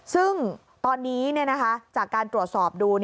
ซึ่งตอนนี้จากการตรวจสอบดู